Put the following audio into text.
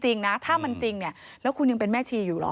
จริงนะถ้ามันจริงเนี่ยแล้วคุณยังเป็นแม่ชีอยู่เหรอ